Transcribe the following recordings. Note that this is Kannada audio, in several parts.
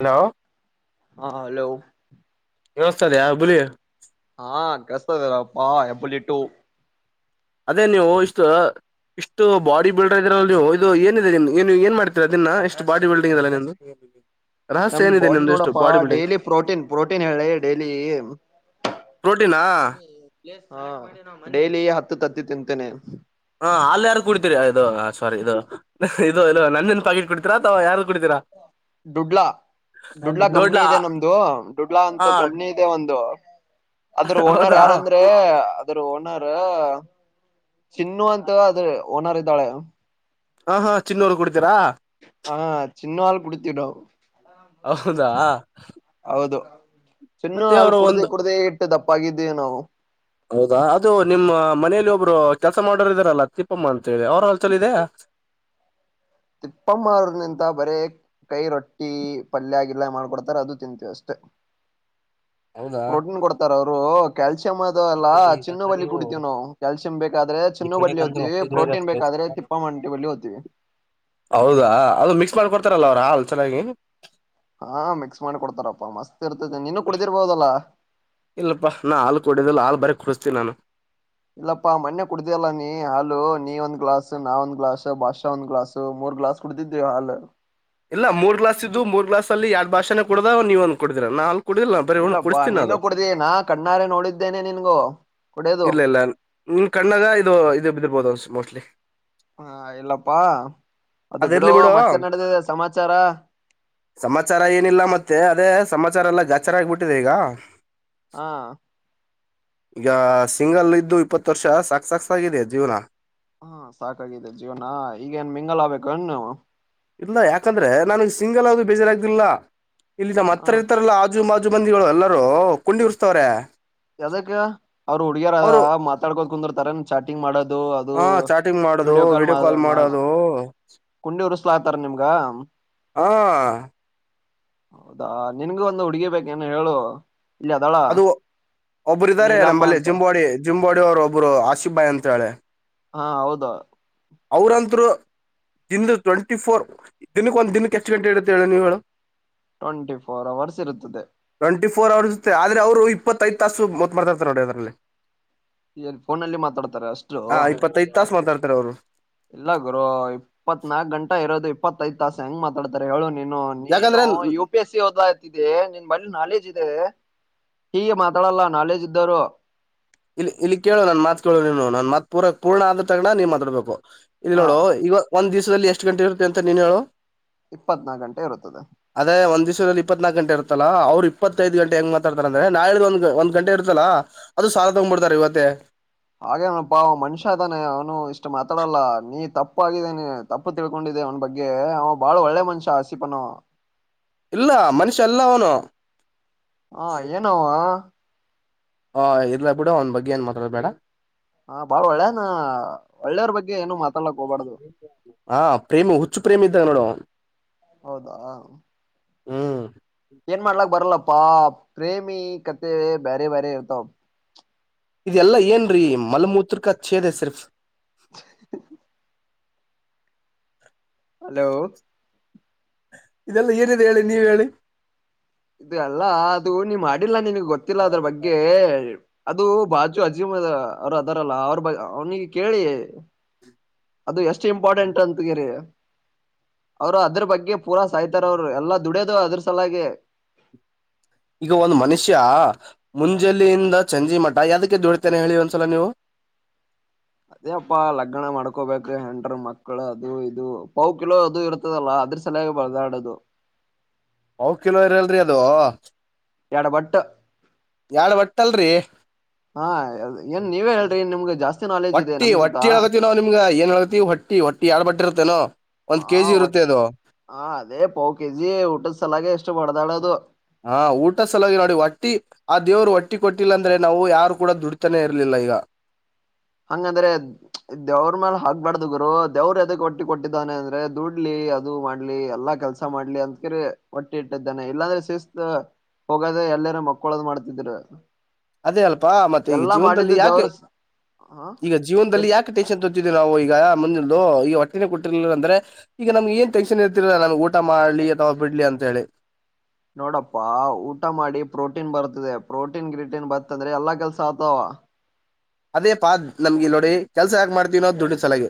ಹಲೋ ಹಾ ಅಲೋ ಕೇಳಸ್ತದೆಯಾ ಬುಲಿ ಹಾ ಕೆಸದರಪ್ಪಾ ಹೆಬ್ಬುಲಿ? ಟು ಅದೇ ನೀವು ಇಷ್ಟ ಇಷ್ಟು ಬಾಡಿ ಬಿಲ್ಡರ್ ಇದೀರಲ್ ನೀವು ಇದು ಏನಿದೆ ನಿಮ ನೀವು ಏನ್ ಮಾಡ್ತೀರ ದೀನ್ನ ಇಷ್ಟು ಬಾಡಿ ಬಿಲ್ಡಿಂಗ್ ಇದಯೇಲ್ಲ ನಿಮ್ದು. ರಹಸ್ಯ ನಮ ಏನಿದೆ ಬಾಡಿ ನಿಮ್ದು ಎಷ್ಟು ನೋಡಪ್ಪಾ body building daily protein protein ಹೇಳಿ ಡೈಲಿ ಪ್ರೋಟೀನಾ ಹಾ ಡೈಲಿ ಹತ್ತು ತತ್ತಿ ತಿಂತೇನೆ. ಹಾ ಹಾಲ್ ಯಾರ ಕುಡ್ತೀರಿ ಇದು ಸಾರಿ ಇದು. ಇದು ಇದು ನಂದಿನಿ ಪಾಕಿಟ್ ಕುಡಿತೀರಾ ಅಥವಾ ಯಾರ. ದುಡ್ಲಾ ದುಡ್ಲಾ ಕಂಪ್ನಿ ದೊಡ್ಲಾ ಇದೆ ನಮ್ದು ದುಡ್ಲಾ ಹ ಅಂತ ಕಂಪ್ನಿ ಇದೆ ಒಂದು. ಅದ್ರ ಓನರ್ ಹೌದಾ ಯಾರಂದ್ರೆ ಅದ್ರ ಓನರ್ ಹ್ ಚಿನ್ನು ಅಂತ ದೇ ಓನರ್ ಇದ್ದಾಳೆ. ಹಾ ಹಾ ಚಿನ್ನೂರ ಕುಡಿತೀರಾ? ಹಾ ಚಿನ್ನು ಹಾಲ್ ಕುಡಿತಿವಿ ನಾವ್ ಹೌದಾ ಹೌದು ಚಿನ್ನು ಮತ್ತೆ ಹಾಲ ಅವರು ಕುಡ್ದ ಒಂದು ಕುಡ್ದೇ ಇಟ್ಟ ದಪ್ಪಾಗಿದ್ದೇವೆ ನಾವ. ಹೌದಾ ಅದು ನಿಮ್ಮ ಮನೇಲಿ ಒಬ್ರು ಕೆಲಸ ಮಾಡೋರು ಇದಾರಲ್ಲ ತಿಪ್ಪಮ್ಮ ಅಂತ ಹೇಳಿ ಅವ್ರ ಹಲ್ ಚಲ ಇದೆ ತಿಪ್ಪಮ್ಮಾರ ನಿಂತ ಬರೇ ಕೈ ರೊಟ್ಟಿ ಪಲ್ಯಗಿಲ್ಯಾ ಮಾಡ್ಕೊಡ್ತಾರ ಅದು ತಿಂತೀವಿ ಅಷ್ಟೆ. ಹೌದಾ ಪ್ರೋಟೀನ್ ಕೊಡ್ತಾರ ಅವರು. ರೂ ಕೆಲ್ಸಾ ಚಿನ್ನೂ ಬಿಲ್ಲಿ ನೀವು ಕುಡಿತೀವಿ ನಾವು ಕ್ಯಾಲ್ಸಿಯಮಂ ಬೇಕಾದ್ರೆ ಈ ಚಿನ್ನು ಬಲ್ಲಿ ಕಡೆಗಂದ್ರೆ ಹೋಗ್ತೀವಿ ಪ್ರೋಟೀನ್ ಹತ್ತಿಗಳಿರತ್ತೆ ಬೇಕಾದ್ರೆ ತಿಪ್ಪ ಮಂಟಿ ಬಲ್ಲಿ ಹೋಗ್ತೀವಿ. ಹೌದಾ ಅದು ಮಿಕ್ಸ್ ಮಾಡ್ಕೊಡ್ತಾರಲ್ಲ ಅವ್ರಾ ಅಲ್ ಚೆನ್ನಾಗಿ. ಹಾ ಮಿಕ್ಸ್ ಮಾಡಿ ಕೊಡ್ತಾರಪ್ಪಾ ಮಸ್ತ್. ಇರ್ತೈತೆ ನೀನು ಕುಡ್ದಿರ್ಬೋದಲ್ಲಾ ಇಲ್ಲಪ್ಪಾ ನಾ ಹಾಲು ಕೊಡಿದ್ದಿಲ್ಲ ಹಾಲ್ ಬರ ಕುಡಸ್ ಚ ನಾನು ಇಲ್ಲಪ್ಪಾ ಮೊನ್ನೆ ಕುಡ್ದಲ್ಲ ನೀ ಹಾಲು ನೀ ಒಂದ್ ಗ್ಲಾಸ್ ನಾ ಒಂದ್ ಗ್ಲಾಸ್ ಭಾಷಾ ಒಂದ್ ಗ್ಲಾಸ್ ಮೂರ್ ಗ್ಲಾಸ್ ಕುಡತಿದೀವಿ ಹಾಲು ಇಲ್ಲ ಮೂರ್ ಗ್ಲಾಸ್ ಮೂರ್ ಗ್ಲಸ್ ಅಲ್ಲಿ ಎರಡ್ ಭಾಷೆಡದಾವ ನೀವ ಒಂದ್ಡೀರ ನಾಕು ಇಲ್ಲಪ್ಪಾ ನೀನು ಕುಡ್ದಿ ನಾ ಕಣ್ಣಾರೆ ನೋಡಿದ್ದೇನೆ ನಿನ್ಗೂ ಕುಡಿಯೋದು ಇಲ್ಲ ಇಲ್ಲ ನಿ ಕಣ್ಣಗ ಇದು ಇದು ಬಿರ್ಬೋದು ಮೋಸ್ಟ್ಲಿ ಹಾ ಇಲ್ಲಪ್ಪಾ ಅದು ಅದ ಬಿಡು ಇರ್ಲಿ ಮತ್ತೆ ನಡೆದಿದೆ ಸಮಾಚಾರ ಸಮಚಾರ ಎಲ್ಲಾ ಗ್ರಹಚಾರಆಗ್ಬಿಟ್ಟಿದೆ ಈಗ ಹಾ ಯಾ ಸಿಂಗಲ್ ಇದ್ದು ಇಪ್ಪತ್ತು ವರ್ಷ ಸಾಕ್ ಸಾಕ್ಗಾಗಿದೆ ಜೀವನ ಹಾ ಸಾಕಾಗಿದ್ದ ಜೀವನ ಈಗೇನ್ ಮಿಂಗಾಲ ಆಗ್ಬೇಕ ಏನ್ ನೀವು ಇಲ್ಲ ಯಾಕಂದ್ರೆ ನನಗ್ ಸಿಂಗಲ್ ಆದದು ಬೇಜಾರಾಗ್ದಿಲ್ಲ ಇಲ್ಲಿಮ್ಮ ಹ ಹತ್ರ ಇರ್ತಾರಲ್ಲ ಮಾಜು ಮಂದಿಗಳು ಎಲ್ಲರೂ ಕುಂಡಿ ಉರ್ಸ್ತವ್ರೆ ಯದಕ್ಕ ಅವ್ರರು ಹುಡುಗಿಯರೂ ಅವರು ಅ ಮಾತಾಡ್ಕೋ ಕುಂದ್ರ ತರ ಚಾಟಿಂಗ್ ಮಾಡೋದು ಅದು ಅದು ಹ ಚಾಟಿಂಗ್ ಮಾಡೋದು ವಿಡಿಯೋ ಕಾಲ್ ಮಾಡ ಮಾಡೋದು ಕುಂಡಿ ಉರ್ಸ್ಲ ಆತಾರ ನಿಮ್ಗ ಹಾ ಹೌದಾ ನಿನ್ಗೂ ಒಂದು ಹುಡುಗಿ ಬೇಕೇನು ಹೇಳು ಇಲ್ಲಿ ಅದಳ ಅದು ಒಬ್ಬರು ಇದಾರೆ ನೀಲಮ್ಮ ನಂಬಲ್ಲಿ ಅಂತ ಜಿಂಬಾಡಿ ಜಿಂಬೋಡಿ ಅವರ ಒಬ್ಬರು ಆಸಿಬ್ ಬಾಯ್ ಅಂತ ಹೇಳಿ ಹಾ ಹೌದ ಅವ್ರಂತರು ದಿಂದ ಟ್ವೆಂಟಿ ಫೋರ್ ದಿನಕ್ಕೆ ಒಂದ ದಿನಕ್ಕೆ ಎಷ್ಟು ಗಂಟೆ ಇಡತ್ತೆ ಹೇಳಿ ನೀವು ಹೇಳು ಟ್ವೆಂಟಿ ಫೋರ್ ಅವರ್ಸ್ ಇರುತ್ತದೆ ಟ್ವೆಂಟಿ ಫೋರ್ ಅವರ್ಸ್ ಇೆ ಆದ್ರೆ ಅವರು ಇಪ್ಪತ್ತೈಐದು ತಾಸುಓದ್ತ್ತರ್ತಾರೆ ನೋಡಿ ಅದ್ರಲ್ಲಿ ನ್ ಫೋನಲ್ಲಿ ಮಾತಾಡ್ತಾರೆ ಅಷ್ಟು ಹಾ ಇಪ್ಪತ್ತೈದ್ ತಾಸ ಮಾತಾಡ್ತಾರೆ ಅವರು ಇಲ್ಲ ಇಪ್ಪತ್ತೈದು ತಾಸ ಹೆಂಗ ಮಾತಾಡ್ಾರೆ ಹೇಳೋ ನೀನು ನೀನು ಯಾಕಂದ್ರೆ ಯು ಪಿ ಎಸ್ ಸಿ ಓದ್ತಿದ್ದಿ ನಿನ್ ಬಳಿ ನಾಲೆಜ್ ಇದೆ ಹೀಗೆ ಮಾತಾಡಲ್ಲ ನಾಲೇಜ್ ಇದ್ದರು ಇಲ್ಲಿ ಇಲ್ಲಿ ಕೇಳು ನನ್ ಮಾತ್ ಕೇಳು ನೀನು ನನ್ ಮಾತ್ ಪೂರ ಪೂರ್ಣ ಆದದ ತಗಣ ನೀ್ ಮಾತಾಡ್ಬೇಕು ಇಲ್ಲಿ ಹ ನೋಡು ಈಗ ಒಂದ್ ದಿವ್ಸ ಎಷ್ಟು ಗಂಟೆರುತ್ತ ಅಂತ ನೀನು ಹೇಳು ಇಪ್ಪತ್ನಾಾಕು ಗಂಟೆ ಇರುತ್ತದೆ ಇಪ್ಪತ್ನಾಕು ಗಂಟ ಇರುತ್ತಲ್ಲ ಅವ್ರು ಇಪ್ಪತ್ತೈಐದು ಗಂಟೆ ಹೆಂಗ ಮಾತಾತಾರೆ ಅಂದ್ರೆ ನಾಳೆ ಒಂದು ಗಂಟೆ ಇರುತ್ತಲ್ಲ ಅದು ಸ ಉಂಬ್ರತಾರೆ ಇವತ್ತ ಹಾಗೆ ಅವನಪ್ಪಾ ಅವ ಮನುಷ್ಯ ಅದಾನೆ ಅವನು ಇಷ್ಟ ಮಾತಾಡಲ್ಲ ನೀ ತಪ್ಪಾಗಿದೇಾನೆ ತಪ್ಪು ತಿಳ್ಕೊಂಡಿದ್ದ ಅವನ ಬಗ್ಗೆ ಅವ ಬಾಳ ಒಳ್ಳೆ ಮನುಷ್ಯ ಆಸಿಪನ ಇಲ್ಲ ಮನುಷ್ಯ ಎಲ್ಲ ಅವನು ಹಾ ಏನ ಹ ಇಲ ಬಿಡ ಅವ್ ಬಗ್ಗೆ ಏನ್ ಮಾತಾಡ ಬೇಡ ಹಾ ಬಾಳ ಒಳ್ಳೇನಾ ಒಳ್ಳೆಯವ್ರ ಬಗ್ಗೆ ಏನು ಮಾತಾಡ್ಲಕ್ ಹೋಗಬಾರ್ದು ಹಾ ಪ್ರೇಮಿ ಹುಚ್ಚು ಪ್ರೇಮಿ ಇದ್ದಾಗ ನೋಡು ಹೌದಾ ಹ್ಮ ಏನ್ ಮಾಡ್ಲಾಕ್ ಬರಲ್ಲಪ್ಪ ಪಾ ಪ್ರೇಮಿ ಕತೆ ಬೇರೆ ಬೇರೆ ಇರ್ತಾವ ಇದೆಲ್ಲಾ ಏನ್ರೀ ಮಲ್ಮೂತ್ರಕ ಛೇದ ಸರ್ಫ [inaudible] ಹಲೋ ಇದೆಲ್ಲ ಏನಿದೆ ಹೇಳಿ ನೀವ ಹೇಳಿ ಇದು ಅಲ್ಲ ಅದು ನೀ ಮಾಡಿಲ್ಲ ನಿನ್ಗ್ ಗೊತ್ತಿಲ್ಲ ಅದ್ರ ಬಗ್ಗೆ ಅದು ಬಾಜು ಅಜೀಮ್ ಅದ ಅವ್ರರು ಅದಾರಲ್ಲ ಅವ್ರ ಬ ಅವ್ನಿಗೆ ಕೇಳಿ ಅದು ಎಷ್ಟು ಷ್ಟ ಇಂಪಾರ್ಟೆಂಟ್ ಅಂತಗೆರಿ ಅವರು ಅದ್ರ ಬಗ್ಗೆ ಪೂರಾ ಸಾಯ್ತಾರ ಅವರು ಎಲ್ಲಾ ದುಡ್ಯೋದು ಅದ್ರ ಸಲಾಗೆ ಈಗ ಒಂದು್ ಮನುಷ್ಯ ಮುಂಜಲ್ಲಿಿಯಿಂದ ಚಂಜಿ ಮಠ ಯದಕ್ಕೆ ಜದುಡಿತೇನೆ ಹೇಳಿ ಒಂದ್ಸಲ ನೀವು ಅದೇ ಅಪ್ಪಾ ಲಗ್ನ ಮಾಡ್ಕೋಬೇಕ್ರ ಹೆಂಡರು ಮಕ್ಕಳು ಅದು ಇದು ಪವು ಕಿಲೋ ಅದು ಇರ್ತದಲ್ಲ ಅದ್ರ ಸಲಯಾಗಿ ಬರ್ದಾಡದು ಹ ಕಿಲೋ ಇರಲ್ರರಿ ಅದು ಎಡ ಬಟ್ಟ ಯಾಳ್ ಒಟ್ಟಲ್ರಿ ಹಾ ಏನ್ ನೀವೇ ಹೇಳ್ರಿ ನಿಮ್ಗೆ ಜಾಸ್ತಿ ನಾಲೆಜ್ ಇದೆ ಹೊಟ್ಟಿ ನಮ್ಗಿಂತ ಹೊಟ್ಟಿ ಹೇತವಿ ನಾವು ನಿಮ್ಗ ಏನ್ ಹೇತಿೀವಿ ಹೊಟ್ಟಿ ಹೊಟ್ಟಿ ಯಾಡ್ ಬಟ್ಟಿರ್ತವಿ ತ್ತನ ಹ ಒಟ್ಟೆ ಹ ಅದೇ ಪಾವ ಕೆಜಿ ಊಟದ್ ಸಲಾಗ ಎಷ್ಟು ಹೊಡದಾಡ ದ ಹಾ ಊಟ ಸಲಾಗಿ ನೋಡಿ ಹೊಟ್ಟಿ ಆ ದೇವರು ಒಟ್ಟಿ ಕೊಟ್ಟಿಲ್ಲ ಅಂದ್ರೆ ನಾವು ಯಾರು ಕೂಡ ದುಡ್ತಾನೇ ಇರ್ಲಿಲ್ಲ ಈಗ ಹಂಗಂದ್ರೆ ದೇವ್ರ ಮ್ಯಾಲ ಹಗ್ಬಾರಡ್ದ ಗರು ದೇವ್ರ ಎದಕ್ ಒಟ್ಟಿ ಕೊಟ್ಟಿದ್ದಾನೆ ಅಂದ್ರೆ ದುಡ್ಲಿ ಅದು ಮಾಡ್ಲಿ ಎಲ್ಲಾ ಕೆಲ್ಸ ಮಾಡ್ಲಿ ಅಂದಕಿ ಒಟ್ಟಿ ಇಟ್ಟಿದ್ದಾನೆ ಇಲ್ಲಾಂದ್ರೆ ಶಿಸಕ್ತ್ ಹೋಗದ ಎಲ್ಲಾರ ಮಕ್ಕಳದ್ ಮಾಡ್ತಿದರು ಅದೇ ಅಲ್ಪಾ ಮತ್ತೆ ಈ ಜೀವನದಲ್ಲಿ ದೇವ್ರ ಯಾಕೆ ಹ ಈಗ ಜೀವನ್ದಲ್ಲಿ ಇರ್ ಯಾಕೆ ಟೆನ್ಷನ್ ತಗೋತಿದೆವಿ ನಾವು ಈಗ ಈಗ ಹೊಟ್ಟಿನೆ ಕೊಟ್ಟಿರ್ಲಿಲ್ಲ ಅಂದ್ರೆ ಈಗ ನಮ್ಗೆ ಏನ್ ಟೆನ್ಶನ್ ಇರ್ತಿರಲ ನಮ್ಗೆ ಊಟ ಮಾಡ್ಲಿ ಅಥವಾ ಬಿಡ್ಲಿ ಅಂತ ಹೇಳಿ ನೋಡಪ್ಪಾ ಊಟ ಮಾಡಿ ಪ್ರೋಟೀನ್ ಬರ್ತದೆ ಪ್ರೋಟೀನ್ ಗ್ರಿಟೀನ್ ಬತ್ತಂದ್ರೆ ಎಲ್ಲಾ ಕೆಲ್ಸ ಆತಾವ ಅದೇ ಪಾ ನಮ್ಗೆ ನೋಡಿ ಕೆಲ್ಸ ಯಾಕೆ ಮಾಡ್ತೀವಿ ನಾವು ದುಡಿ ಸಲುವಾಗಿ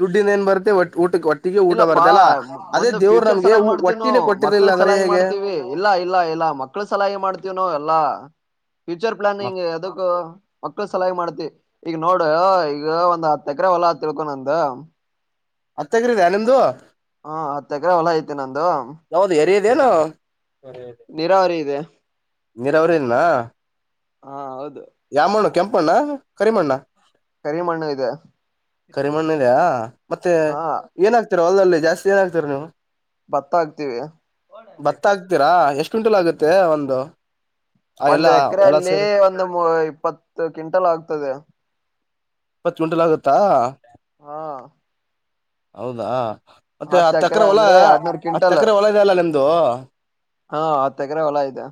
ದುಡ್ಡಿನ ಏನ್ ಬರುತ್ತೆ ಊಟ ಊಟಕ್ಕೆ ಹೊಟ್ಟಿಗೆ ಇಲ್ಲಪ್ಪಾ ಬರುತ್ತಲ್ಲಾ ಅದೇ ಒಂದು ದೇವ್ರು ಫ್ಯೂಚರ್ ನಮ್ಗೆ ಸಲಹಾಗಿ ಮಾಡ್ತವ್ನು ಹೊಟ್ಟಿನೇ ಮಕ್ಳ ಕೊಟ್ಟಿರ್ಲಿಲ್ಲ ಅಂದ್ರೆ ಸಲಾಗಿ ಹೇಗೆ ಮಾಡ್ತೀವಿ ಇಲ್ಲ ಇಲ್ಲ ಇಲ್ಲ ಮಕ್ಳು ಸಲಹಾಗಿ ಮಾಡ್ತವ್ನು ಎಲ್ಲಾ ಫ್ಯೂಚರ್ ಪ್ಲಾನಿಂಗ್ ಅದಕ್ಕ ಮಕ್ಳು ಸಲಾಗಿ ಮಾಡ್ತಿವಿ ಈಗ ನೋಡು ಈಗ ಒಂದ್ ಹತ್ತ ಎಕರೆ ಹೊಲ ಅಂತ ತಿಳ್ಕೊ ನಂದು [unintelligible] ನಿಮ್ದು ಹಾ ಹತ್ತ ಎಕರೆ ಹೊಲ ಐತಿ ನಂದು ನೀರಾವರಿ ಇದೆ [unintelligible] [unintelligible] ಹಾ ಹೌದು ಯಾವ್ ಮಣ್ಣು ಕೆಂಪು ಮಣ್ಣ್ ಹಾ ಕರಿ ಮಣ್ಣ್ ಹಾ ಕರಿಮಣ್ಣು ಇದೆ ಕರಿಮಣ್ಣಿದೆ ಮತ್ತೆ ಹಾ ಏನಾಗ್ತ ಹೋಲ್ದಲ್ಲಿ ಜಾಸ್ತಿ ಏನ್ ಹಾಕ್ತಿರಾ ನೀವು ಭತ್ತ ಹಾಕ್ತಿವಿ ಎಷ್ಟ್ ಕ್ವಿಂಟಲ್ ಆಗುತ್ತೆ ಒಂದು ಆ ಒಂದ್ ಎಲ್ಲಾ ಹೊಲ ಎಕ್ರೆಯಲ್ಲಿ ಸೇರಿ ಒಂದು ಇಪ್ಪತ್ತು ಕ್ವಿಂಟಲ್ ಆಗ್ತದೆ ಇಪ್ಪತ್ ಕ್ವಿಂಟಲ್ ಆಗುತ್ತಾ ಹಾ ಹೌದಾ ಮತ್ತೆ ಹತ್ ಹತ್ತು ಎಕರೆ ಹೊಲ ಅಂದ್ರೆ ಆ ಎರಡ್ನೂರ್ ಕ್ವಿಂಟಲ್ ಹತ್ತು ಹೊಲ ಇದೆ ಅಲ್ಲ ನಿಮ್ದ [unintelligible] ಹಾ ಹತ್ತ ಎಕರೆ ಹೊಲಾ ಇದೆ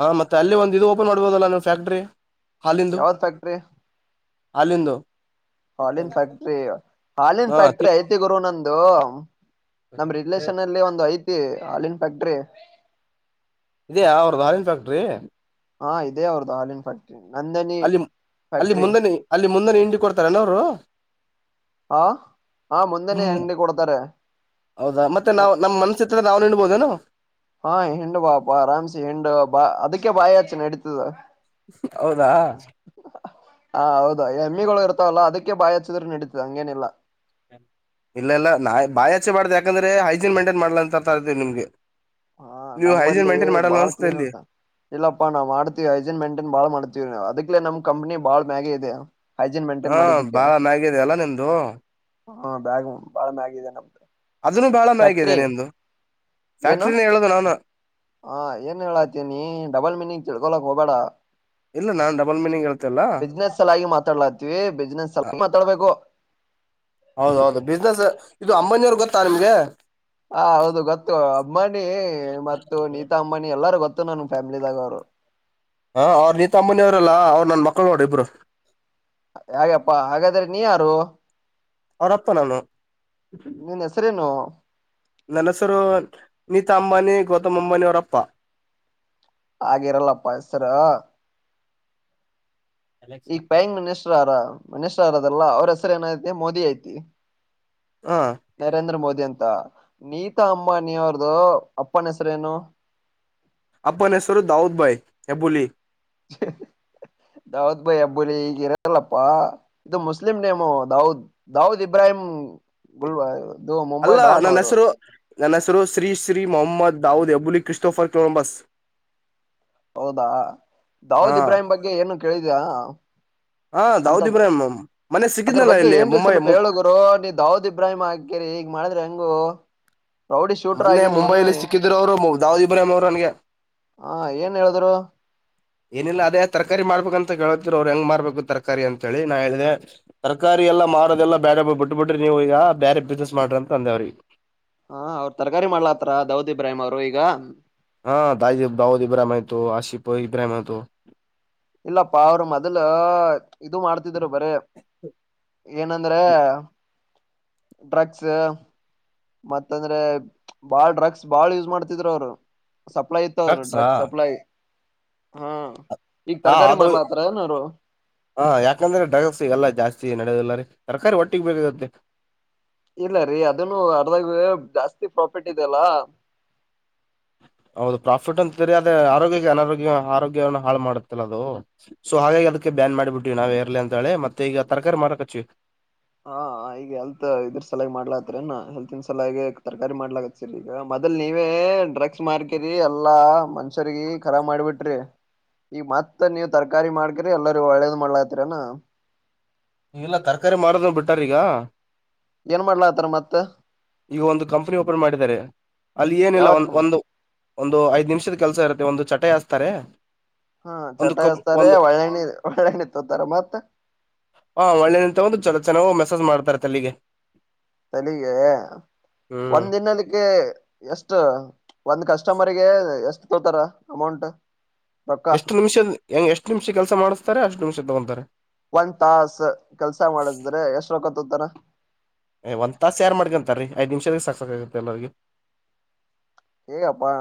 ಹಾ ಮತ್ತೆ ಅಲ್ಲಿ ಒಂದ ಇದು ಓಪನ್ ಮಾಡ್ಬೋದಲ್ಲಾ ನೀವು ಫ್ಯಾಕ್ಟ್ರಿ ಯಾವ್ ಫ್ಯಾಕ್ಟ್ರರಿ ಹಾಲ್ಲಿಂದು ಹಾಲ್ಲಿನ್ ಫ್ಯಾಕ್ಟ್ರಿ ಹಾಲ್ಲಿನ್ ಹಾ ಫ್ಯಾಕ್ಟ್ರಿ ತಿಪ್ ಐತಿ ಗುರು ನಂದು ನಮ ರಿಲೇಷನ್ ಅಲ್ಲಿ ಒಂದು ಐತಿ ಹಾಲ್ಲಿನ ಫಾಕ್ಟ್ರಿ ಇದ್ಯಾ ಅವ್ರದ ಹಾಲಿನ ಫ್ಯಾಕ್ಟ್ರಿ ಹಾ ಇದೇ ಅವ್ರ್ದು ಹಾಲಿನ್ ಫ್ಯಾಕ್ಟರಿ ಅಲ್ಲಿ ಅಲ್ಲಿ ಮುಂದನೇ ಅಲ್ಲಿ ಮುಂದೆ ಹಿಂಡಿ ಕೊಡ್ತಾರನ ಅವರು ಹಾ ಹಾ ಮುಂದನೆೇ ಹಿಂಡಿ ಕೊಡ್ತಾರೆ ಹೌದಾ ಮತ್ತೆ ನಾವ್ [unintelligible] ಹಾ ಇಂಡ್ ಬಾಪಾರಾಮಸಿ ಹೆಂಡು ಬಾ ಅದಕ್ಕೆೇ ಬಾಯ ಆಚ್ಚುನ್ ನಡತದ ಹೌದಾ ಹ ಹೌದಾ ಹೆಮ್ಮಿಗಳು ಇರ್ತಾವಲ್ಲ ಅದಕ್ಕೆ ಬಾಯ ಹಚ್ಚಿದ್ರು ನಡೀತಿದೆ ಹಂಗೇನಿಲ್ಲಾ. ಇಲ್ಲ ಇಲ್ಲ ನಾ ಬಾಯಾಚೆ ಮಾಡ್ದ ಯಾಕಂದ್ರೆ ಹೈಜೀನ್ ಮೈಂಟೈನ್ ಮಾಡ್ಲ ಅಂತರ್ತೇವಿ ನಿಮ್ಗೆ. ಹಾ ನೀವು ಹೈಜೀನ್ ನಮ್ಗಲ್ಲಿ ಮೇಂಟೈನ್ ಮಾಡಲ್ಲ ಬಾಳ ಅನ್ಸುತ್ತೆ ಕ್ಲೀನ್ ಇಲ್ಲಿ ಆತ ಇಲ್ಲಪ್ಪಾ ನಾವ್ ಮಾಡ್ತೀವಿ ಹೈಜೀನ್ ಮೇಂಟೈನ್ ಬಾಳ್ ಮಾಡ್ತೀವಿ ಅದಕ್ಲೇ ನಮ ಕಂಪನ ಬಾಳ ಮಂಗೆ ಇದೆ. ಹೈಜೀನ್ ಮೇಂಟೈನ್ ಹಾ ಮಾಡಿದ್ದಕ್ಕೆ ಬಾಳ ಮ್ಯಾಗಿದೆ ಅಲ್ಲಾ ನಿಮ್ದು ಹಾ ಬ್ಯಾಗ್ ಬಾಳ ಮ್ಯಾಗ ಇದೆ ನಮ್ದು. ಅದನ್ನು ಬಹಳ ಮ್ಯಾಗಿದೆ ಫ್ಯಾಕ್ಟ್ರಿ ನಿಮ್ದು ಫ್ಯಾಕ್ಟ್ರಿನ ಹೇಳೋದು ಅಲ್ಲಾ [inaudible] ಹಾ ಏನ್ ಹೇಳಾತೀನಿ ಡಬಲ್ ಮೀನಿಂಗ್ ತಿಳ್ಕೊಳ್ಳಾಕ್ ಹೋಗ್ಬೇಡ. ಇಲ್ಲ ನಾನ್ ಡಬಲ್ ಮೀನಿಂಗ್ ಹೇಳ್ತಿಲ್ಲ ಬಿಸ್ನೆಸ್ ಸಲಾಗಿ ಮಾತಾಡ್ಲಾತೀವಿ ಬಿಸ್ನೆಸ್ ಸಲ ಮಾತಾಡ್ಬೇಕು. ಹೌದ ಹೌದು ಬಿಸ್ನೆಸ್ ಇದು ಅಂಬಾನಿ ಅವ್ರ ಗೊತ್ತಾ ನಿಮ್ಗೆ. ಹಾ ಹೌದು ಗೊತ್ತು. ಅಂಬಾನಿ ಮತ್ತು ನೀತಾ ಅಂಬಾನಿ ಎಲ್ಲಾರೂ ಗೊತ್ತು ನನಗ ಫ್ಯಾಮಿಲಿದಾಗ ಅವ್ರು. ಹಾ ಅವ್ರ ನೀತಾ ಅಂಬಾನಿ ಅವ್ರಲ್ಲಾ ಅವ್ರು ನನ್ ಮಕ್ಳ ನೋಡಿ ಇಬ್ರು. ಯ ಯಪ್ಪಾ ಹಾಗಾದ್ರೆ ನೀ ಯಾರು? ಅವ್ರಪ್ಪ ನಾನು. ನೀನ್ ಹೆಸರೇನು. ನನ್ನೆಸ್ರು ನೀತಾ ಅಂಬಾನಿ ಗೌತಮ್ ಅಂಬಾನಿ ಅವರಪ್ಪ. ಹಾಗಿರಲ್ಲಪ್ಪಾ ಹೆಸರ ಈಗ ಪ್ರೈಮಿನಿಸ್ಟರ್ ಅರ ಮಿನಿಸ್ಟರ್ ಅರದಲ್ಲ ಅವ್ರ ಹೆಸ್ ಸರ ಏನ ಐತಿ ಮೋದಿ ಐತಿ ಹ ನರೇಂದ್ರ ಮೋದ್ ಅಂತ ನೀತಾ ಅಂಬಾನಿ ಅವ್ರದು ಅಪ್ಪನ ಹೆಸರೇನು ಅಪ್ಪನ ಹೆಸರು ದಾವುದ್ ಭೈ ಹೆಬ್ಬುಲಿ. ದಾವದ್ ಭಾಯಿ ಅಬ್ಬುಲಿಗ ಇರಲ್ಲಪ್ಪಾ ಇದು ಮುಸ್ಲಿಂ ನೇಮು ದದ್ ದಾವುದ್ ಇಬ್ರಾಹಿಂ ಗುಲ್ವಾ ಅಲ್ಲ ನನ್ನ ಹೆಸರು ನನ್ನ ಹೆಸರು ಶ್ರೀ ಶ್ರೀ ಮೊಹಮ್ಮದ್ ದಾವೂದ್ ಹೆಬ್ಬುಲಿ ಕ್ರಿಸ್ತೋಫರ್ ಕೊಲಂಬಸ್. ಹೌದಾ ಹಾ ದಾವೂದ್ ಇಬ್ರಾಹಿಂ ಬಗ್ಗೆ ಏನು ಕೇಳಿದ್ಯಾ ಹಾ ದಾವೂದ್ ಅಂತದ್ ಇಬ್ರಾಹಿಂ ಮೊನ್ನೆ ಅದ್ರ ಸಿಕ್ಕಿದ್ನಲ್ಲ ಬಗ್ಗೆ ಇಲ್ಲಿ ಏನ್ರಿ ಮುಂಬೈ ಸ್ವಲ್ಪ ಹೇಳು ಗುರು ನೀ ದಾವುದ್ ಇಬ್ರಾಹಿಂ ಅಂತೇಳ ಈಗ ಮಾಡಿದ್ರಿ ಹೆಂಗೋ. ಮೊನ್ನೆ ಮುಂಬೈಲಿ ಸಿಕ್ಕಿದ್ರು ಅವರು ಮು ದಾವುದ್ ಇಬ್ರಾಹಿಂ ಅವರು ನನಗೆ. ಹಾ ಏನ್ ಹೇಳಿದ್ರು. ಏನಿಲ್ಲ ಅದೇ ತರಕಾರಿ ಮಾಡ್ಬೇಕಂತ ಕೇಳ್ತಿದ್ರು ಅವ್ರು ಹೆಂಗ್ ಮಾಡ್ಬೇಕು ತರಕಾರಿ ಅಂತ ಹೇಳಿ ನಾ ಹೇಳಿದೆೆ ತರಕಾರಿ ಎಲ್ಲ ಮಾರೋದೆಲ್ಲ ಬೇರೆ ಬಿಟ್ಟ ಬಿಡ್ರಿ ನೀವು ಈಗ ಬೇರೆ ಬಿಸ್ನೆಸ್ ಮಾಡ್ರಿ ಅಂತ ಅಂದ್ಯಾ ಅವ್ರಿಗೆ. ಹಾ ಅವ್ರ ತರಕಾರಿ ಮಾಡ್ಲತ್ರ ದಾವೂದ್ ಇಬ್ರಾಹಿಂ ಅವರು ಈಗ ಹಾ ದಾಯ ದಾವುದ ಇಬ್ರಾಹಾಮ್ ಆಯ್ತು ಆಸಿಫ ಇಬ್ರಾಹಿಂ ಆಯ್ತು ಇಲ್ಲಪ್ಪಾ ಅವ್ರ ಮೊದ್ಲ ಇದು ಮಾಡ್ತಿದರು ಬರೆ ಏನಂದ್ರ ಡ್ರಗ್ಸ್ ಮತ್ತ ಅಂದ್ರೆ ಬಾಳ್ ಡ್ರಗ್ಸ್ ಬಾಳ್ ಯೂಸ್ ಮಾಡ್ತಿದರು ಅವರು ಸಪ್ಲೈ ಇತ್ತವ್ರ ಡ್ರಗ್ಸಾ ಡ್ರಗ್ಸ್ ಸಪ್ಲೈ ಹಾ ಈಗ ಹಾ ತರಕಾರಿ ಅದು ಮಾರ್ಲಾತಾರ ಏನ ಅವ್ರು ಹ ಯಾಕಂದ್ರೆ ಡ್ರಗ್ಸ್ಲ್ಲಾ ಜಾಸ್ತಿ ನ ತರಕಾರಿ ಒಟ್ಟಿಗೆ ಬೇರೆತ್ತೆ ಇಲ್ಲ ರೀ ಅದನ್ನು ಅರ್ಧಾಗ ಜಾಸ್ತಿ ಪ್ರಾಫಿಟ್ ಇದೆಲ್ಲ ಹೌದು ಪ್ರಾಫಿಟ್ ಅಂತರಿ ಅದೇ ಆರೋಗ್ಯಕ್ಕೆ ಅನಾರೋಗ್ಯ ಆರೋಗ್ಯವನ್ನ ಹಾಳ ಮಾಡುತ್ತಲ್ಲ ಅದು ಸೊ ಹಾಗಾಗಿ ಅದಕ್ಕೆ ಬ್ಯಾನ್ ಮಾಡಿಬಿಡ್ವಿ ನಾವ್ ರ್ಲಿ ಅಂತ ಹೇಳಿ ಮತ್ತೆ ಈಗ ತರಕಾರಿ ಮಾರಕ್ ಹಚ್ಚವಿ ಹಾ ಈಗ ಎಲ್ತ್ ಇದ್ರ ಸಲಾಗಿ ಮಾಡ್ಲಾತ್ರಿನಾ ಹೆಲ್ತ್ನ್ ಸಲಾಗಿ ತರ್ಕಾರಿ ಮಾಡ್ಲಕರಿ ಈಗ ಮೊದಲ್ ನೀವೇ ಡ್ರಗ್ಸ್ ಮಾಡ್ಕರಿ ಎಲ್ಲಾ ಮನ್ಷ್ಯರಿಗ ಖರಾ ಮಾಡ್ಬಿಟ್ರಿ ಈಗ ಮತ್ತ ನೀವ್ ತರಕರಿ ಮಾಡ್ಕರಿ ಎಲ್ಲಾರೂ ಒಳ್ಳೇದ್ ಮಾಡ್ಲತ್ತರನಾ ಈ ಎಲ್ಲ ತರಕಾರಿ ಮಾಡದೂ ಬಿಟ್ಟಾರೀ ಈಗ ಏನ್ ಮಾಡ್ಲ ಆತಾರ ಮತ್ತ ಈಗ ಒಂದು ಕಂಪನಿ ಓಪನ್ ಮಾಡಿದ್ದಾರೆ ಅಲ್ಲಿ ಏನಿಲ್ಲ ಒ ಯಾವತ್ [inaudible] [inaudible] ಒಂದು ಒಂದು ಐದ್ ನಿಮಿಷದ ಕೆಲ್ಸ ಇರುತ್ತೆ ಒಂದು ಚಟೆ ಹಾಸ್ತಾರೆ ಹಾ ಒಂದು ಚಟ ಕಬ್ ಎಸ್ತಾರೆ ಒಂದು ಒಳ್ಳಣಿ ಒಳ್ಳಣಿ ತೋತಾರೆ ಮತ್ತ ಸ ಮಾಡ್ತಾರ ತಲ್ಲಿಗೆ ಅ ಹ್ಮ್ ಒಂದ ದಿನಲಿಕ್ಕೆ ಎಷ್ಟು ಒಂದ ಕಸ್ಟಮರ್ಗೆ ಎಷ್ಟು ತೋತಾರ ಅಮೌಂಟ್ ರೊಕ್ಕ ಎಷ್ಟು ನಿಮಿಷದ ಹೆಂಗಗೆ ಎಷ್ಟು ನಿಮಿಷ ಕೆಲಸ ಮಾಡ್ತಾರೆ ಅಷ್ಟ್ ನಿಮಿಷ ತಗಂತಾರೆ ಒಂದ್ ತಾಸ ಕೆಲ್ಸ ಮಾಡಸಿದ್ರೆ ಎಷ್ಟ ತರ ಏ ಒಂದ್ ತಾಸ ಯಾರು ಮಾಡ್ಕಂತಾರೀ ಐದ್ ನಿಮಿಷದ ಸಕ್ಸಸ್ ಆಗತ್ತ ಎಲ್ಲರಿೂ ಹೇಗಪ್ಪಾ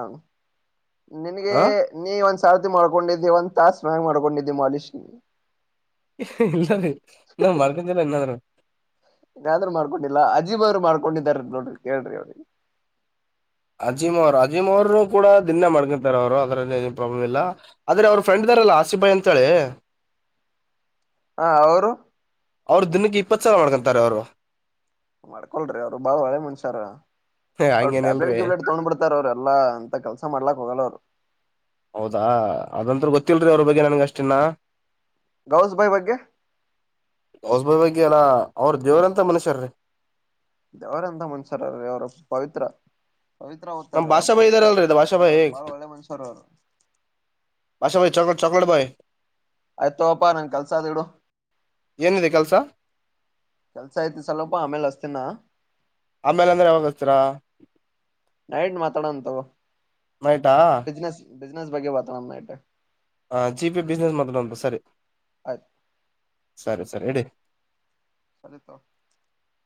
ನಿನ್ಗೆ ಹ ನೀ ಒಂದ್ ಸಾರತಿ ಮಾಡರ್ಕೊಂಡಿದ್ದೀ ಒಂದ ತಾಸ್ ಮ್ಯಾ್ ಮಾಡ್ಕೊಂಡಿದ್ದಿ ಮಾಲಿಷ್ ಇಲ್ಲ ರೀ ನಮ್ ಮರ್ತನ್ಲ್ಲ ಇನ್ನಾದ್ರೂ ಾದ್ರರು ಮಾಡ್ಕೊಂಡಿಲ್ಲಾ ಅಜೀ್ ಅವ್ರು ಮಾಡ್ಕೊಂಡಾರ ನೋಡ್ರಿ ಕೇಳ್ರಿ ಅವನಿಗೆ ಅಜೀಮ್ ಅವರು ಅಜೀಮ್ ಅವರು ಕೂಡ ದಿನ್ ಮಾಡ್ಕೊಂತಾರೆ ಅವರು ಅದ್ರಲ್ಲಿ ಏನು ಪ್ರಾಬ್ಲಮ್ ಇಲ್ಲ ಆದ್ರೆ ಅವ್ರ ಫ್ರೆಂಡ್ ಇದಾರಲ್ಲ ಹಸಿಬಾಯ್ ಅಂತಳಿ ಹಾ ಅವರು ಅವ್ರ ದಿನಕ್ಕೆ ಇಪ್ಪತ್ತು ಸಲ ಮಾಡ್ಕೊಂತಾರೆ ಅವ್ರು ಮಾಡ್ಕೊಲ್್ರಿ ಅವ್ರು ಬಾಳ ಒಳೆ ಮನ್ಸಾರ ಹೇ ಅವ್ರು ಟ್ಯಾಬ್ಲೆಟ್ ಹಂಗೇನಿಲ್ರಿ ಗ್ಯಬ್ಲೆಟ್ ತಗೊಂಡ್ ಬಿಡ್ತಾರ ಅವ್ರ ಎಲ್ಲಾ ಅಂತ ಕೆಲ್ಸ ಮಾಡ್ಲಾಕ್ ಹೋಗಲ್ಲ ಅವರು ಹೌದಾ ಅದಂತ್ ಗೊತ್ತಿಲ್ರರಿ ಅವ್ರ ಬಗ್ಗೆ ನನ್ಗ ಅಷ್ಟನ್ನ ಗೌಸ್ ಬಾಯ್ ಬಗ್ಗೆ ಹೌಸ ಭ ಬಗೆಲ್ಲ ಅವ್ರ ದೇವ್ರಂತ ಮನುಷ್ಯರ್ರೀ ಅವ್ರಂತ ಮುನ್ಸಾರೀ ಅವ್ರ ಪವಿತ್ರ ಪವಿತ್ರ ನಮ್ ಹತಾರೆ ಅವ್ರು ಭಾಷಾ ಭಾಯ್ ಪವಿತ್ರ ಇದಾರಲ್ರಿ ಇದು ಕುನ್ ಭಾಷಾ ಹತಾರ ಭಾಯ್ ಅವ್ರು ಬಾಳ ಒಳ್ಳೆ ಮನುಷ್ಯರು ಅವರು ಬಾಷಾ ಭ ಚೊಕ ಚೌಕಲಟ್ ಬ ಭಾಯ ಆಯ್ತೋಪ್ಪಾ ನನ್ ಕೆಲ್ಸ ಅದ್ ಇಡು ಏನಿದೆ ಕೆಲ್ಸ ಕೆಲ್ಸ ಐ್ತಿ ಸಲಪಾ ಆಮೇಲ್ ಅಸ್ತಿನ ಆಮೇಲೆ ಅಂದ್ರೆ ಯಾವಾಗ ಹಸರಾ ನಾ ಎನ್ ಮಾತಾಡೋಂತವ ನೈಟಾ ಬಿಸ್ನೆಸ್ ಬಿಜನೆಸ್ ಬಗ್ಗೆ ಮಾತಾಡೋಮ್ಮ ನೈಟ್ ಹ ಜಿ ಪಿ ಬಿಸ್ನೆಸ್ ಮಾತಾಡೋಮ್ಮ ಸರಿ ಹ ಸರಿ ಸರಿ ಇಡಿ [unintelligible]